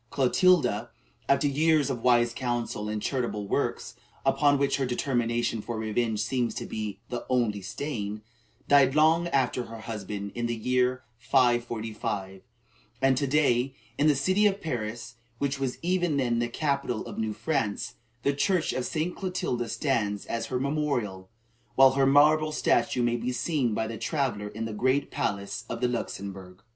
Clotilda, after years of wise counsel and charitable works, upon which her determination for revenge seems to be the only stain, died long after her husband, in the year 545, and to day, in the city of Paris, which was even then the capital of new France, the church of St. Clotilda stands as her memorial, while her marble statue may be seen by the traveller in the great palace of the Luxembourg.